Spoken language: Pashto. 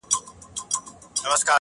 که به چا تر سهاره بانډار کاوه